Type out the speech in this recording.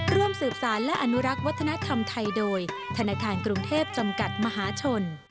ร่วมสืบสารและอนุรักษ์วัฒนธรรมไทยโดยธนาคารกรุงเทพจำกัดมหาชน